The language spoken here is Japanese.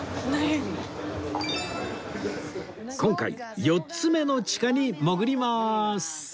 今回４つ目の地下に潜ります